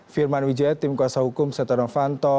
firman wijaya tim kuasa hukum setoran fanto